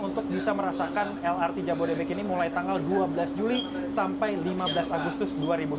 untuk bisa merasakan lrt jabodebek ini mulai tanggal dua belas juli sampai lima belas agustus dua ribu dua puluh